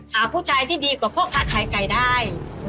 หาผู้ชายที่ดีกว่าพ่อค้าขายไก่ได้